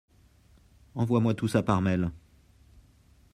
Envoie-moi tout ça par mail.